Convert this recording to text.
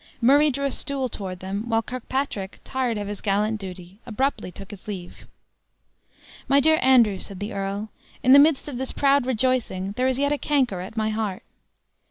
Murray drew a stool toward them, while Kirkpatrick, tired of his gallant duty, abruptly took his leave. "My dear Andrew," said the earl, "in the midst of this proud rejoicing there is yet a canker at my heart.